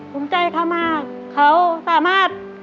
ภูมิใจเขามากเขาสามารถ